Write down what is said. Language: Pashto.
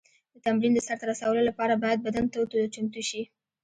د تمرین د سر ته رسولو لپاره باید بدن تود او چمتو شي.